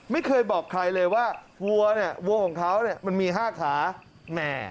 ไม่เคยบอกใครเลยว่าวัวเนี่ยวัวของเขาเนี่ยมันมีห้าขาแหม่